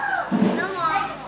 どうも。